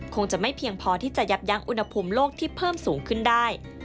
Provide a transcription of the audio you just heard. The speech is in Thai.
คงจะไม่เพียงพอที่จะยับยั้งอุณหภูมิโลกที่เพิ่มสูงขึ้นได้